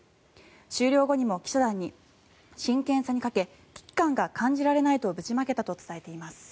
終了後にも記者団に真剣さに欠け危機感が感じられないとぶちまけたと伝えています。